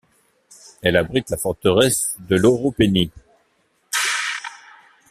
Elle abrite la forteresse de Loropéni.